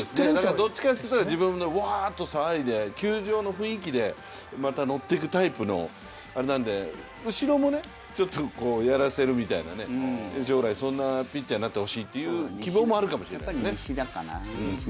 どっちかといったらワーッと騒いで球場の雰囲気でまたのってくタイプのあれなんで後ろもやらせるみたいな将来そんなピッチャーになってほしいという希望もあるかもしれないですね。